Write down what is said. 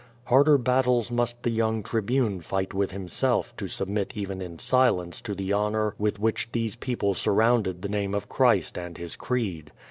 Harder battles must the young Tribune fight with himself to submit even in silence to the honor with which these peoj)le surrounded the name of Christ and his creed.